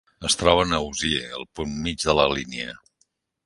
Es troben a Osier, el punt mig de la línia.